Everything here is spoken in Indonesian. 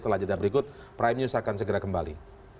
setelah jeda berikut prime news akan segera kembali